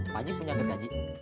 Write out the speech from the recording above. pak haji punya gergaji